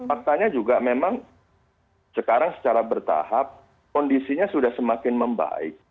faktanya juga memang sekarang secara bertahap kondisinya sudah semakin membaik